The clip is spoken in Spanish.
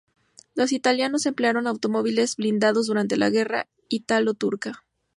Los italianos emplearon automóviles blindados durante la Guerra ítalo-turca.